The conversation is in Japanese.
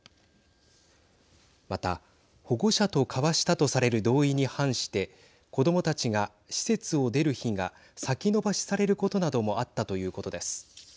また、保護者と交わしたとされる同意に反して子どもたちが施設を出る日が先延ばしされることなどもあったということです。